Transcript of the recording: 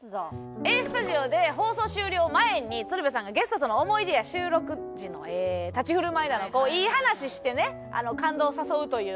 『Ａ−Ｓｔｕｄｉｏ』で放送終了前に鶴瓶さんがゲストとの思い出や収録時の立ち振る舞いなどいい話してね感動を誘うという。